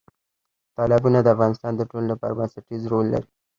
تالابونه د افغانستان د ټولنې لپاره بنسټیز رول لري.